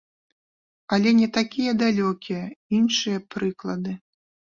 Але не такія далёкія іншыя прыклады.